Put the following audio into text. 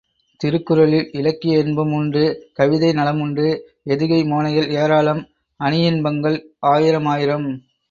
திருக்குறளில் இலக்கிய இன்பம் உண்டு கவிதை நலமுண்டு எதுகை மோனைகள் ஏராளம் அணியின்பங்கள் ஆயிரமாயிரம்.